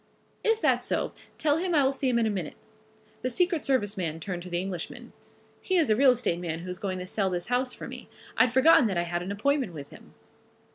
"Is that so? Tell him I will see him in a minute." The secret service man turned to the Englishman. "He is a real estate man who is going to sell this house for me. I'd forgotten that I had an appointment with him."